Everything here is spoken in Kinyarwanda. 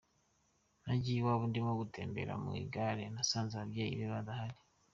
Nagiye iwabo ndimo gutembera ku igare nasanze ababyeyi be badahari.